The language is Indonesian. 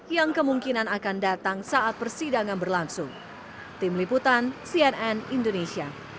yang kemungkinan akan datang saat persidangan berlangsung